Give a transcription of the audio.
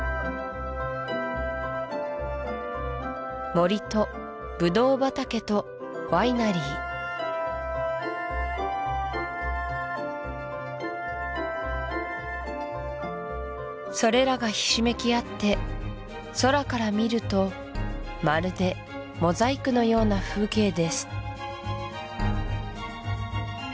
森とブドウ畑とワイナリーそれらがひしめきあって空から見るとまるでモザイクのような風景です